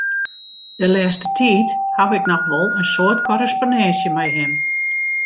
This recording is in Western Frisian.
De lêste tiid haw ik noch wol in soad korrespondinsje mei him.